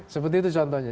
seperti itu contohnya